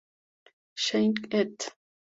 Sheikh et al.